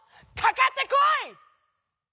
かかってこい！」。